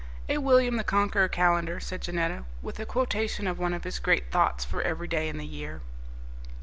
"A William the Conqueror calendar," said Janetta, "with a quotation of one of his great thoughts for every day in the year."